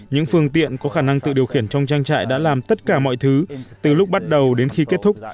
những phương tiện có khả năng tự điều khiển trong trang trại đã làm tất cả mọi thứ từ lúc bắt đầu đến khi kết thúc